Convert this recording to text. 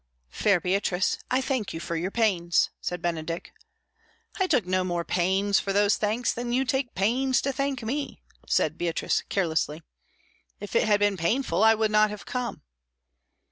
"Fair Beatrice, I thank you for your pains," said Benedick. "I took no more pains for those thanks than you take pains to thank me," said Beatrice carelessly. "If it had been painful I would not have come."